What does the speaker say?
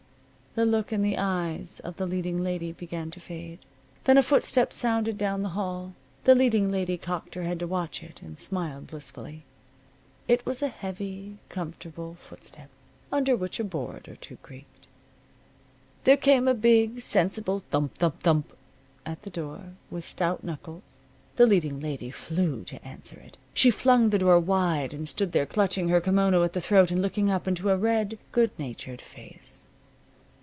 The look in the eyes of the leading lady began to fade. Then a footstep sounded down the hall. The leading lady cocked her head to catch it, and smiled blissfully. It was a heavy, comfortable footstep, under which a board or two creaked. There came a big, sensible thump thump thump at the door, with stout knuckles. The leading lady flew to answer it. She flung the door wide and stood there, clutching her kimono at the throat and looking up into a red, good natured face.